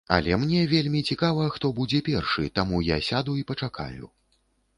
Але мне вельмі цікава, хто будзе першы, таму я сяду і пачакаю.